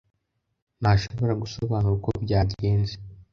ntashobora gusobanura uko byagenze.